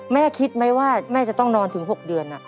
แม่คิดไหมว่าแม่จะต้องนอนถึง๖เดือน